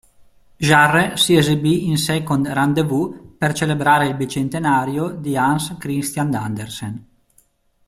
Jarre si esibì in Second Rendez-Vous per celebrare il bicentenario di Hans Christian Andersen.